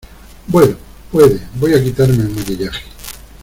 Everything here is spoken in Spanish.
bueno, puede. voy a quitarme el maquillaje .